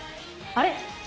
あれ？